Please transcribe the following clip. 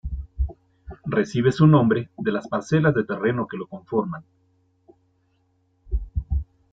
Recibe su nombre de las parcelas de terreno que lo conforman.